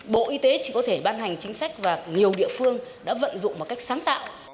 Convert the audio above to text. bộ y tế chỉ có thể ban hành chính sách và nhiều địa phương đã vận dụng một cách sáng tạo